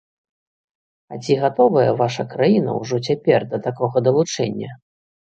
А ці гатовая ваша краіна ўжо цяпер да такога далучэння?